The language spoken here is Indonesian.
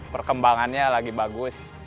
perkembangannya lagi bagus